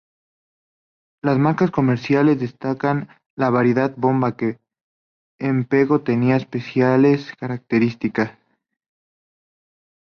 Las marcas comerciales destacan la variedad Bomba que en Pego tenía especiales características.